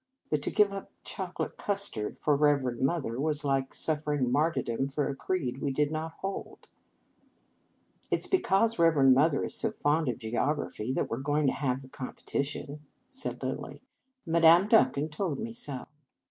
But to give up chocolate cus tard for Reverend Mother was like suffering martyrdom for a creed we did not hold. " It s because Reverend Mother is so fond of geography that we re going to have the competition," said Lilly. " Madame Duncan told me so."